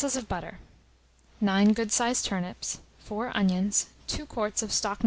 of butter, 9 good sized turnips, 4 onions, 2 quarts of stock No.